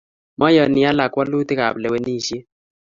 Maiyan alak walutik ab lewenisiet